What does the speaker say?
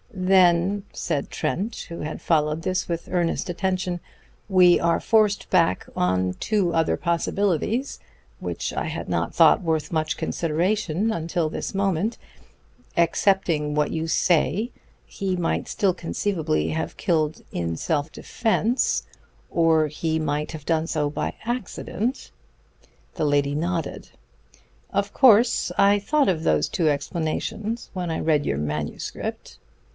"Then," said Trent, who had followed this with earnest attention, "we are forced back on two other possibilities, which I had not thought worth much consideration until this moment. Accepting what you say, he might still conceivably have killed in self defense; or he might have done so by accident." The lady nodded. "Of course I thought of those two explanations when I read your manuscript."